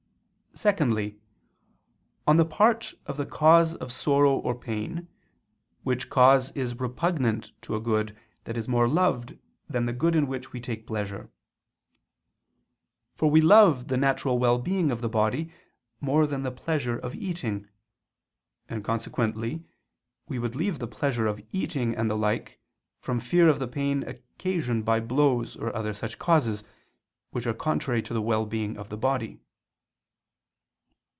Secondly, on the part of the cause of sorrow or pain, which cause is repugnant to a good that is more loved than the good in which we take pleasure. For we love the natural well being of the body more than the pleasure of eating: and consequently we would leave the pleasure of eating and the like, from fear of the pain occasioned by blows or other such causes, which are contrary to the well being of the body.